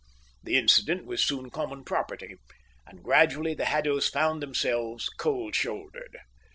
The incident was soon common property, and gradually the Haddos found themselves cold shouldered.